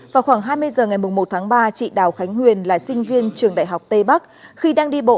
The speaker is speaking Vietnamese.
vào khoảng hai mươi h ngày một tháng ba chị đào khánh huyền là sinh viên trường đại học tây bắc khi đang đi bộ